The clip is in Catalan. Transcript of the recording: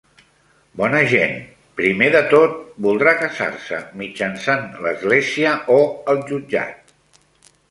Bona gent, primer de tot, voldrà casar-se mitjançant l'església o el jutjat?